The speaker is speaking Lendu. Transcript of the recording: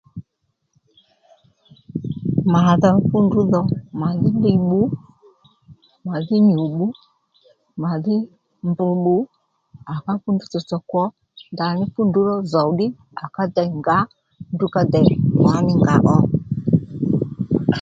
Mà dho fú ndrú dho màdhí ddiy bbu màdhí nyû bbu màdhí mbr bbu à ká fú ndrú tsotso kwo ndaní fu ndrú ró zòw à ká dey ngǎ fú ndrú ka dey lǎní nga ó